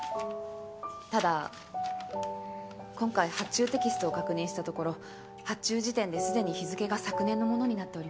ただ今回発注テキストを確認したところ発注時点ですでに日付が昨年のものになっておりました。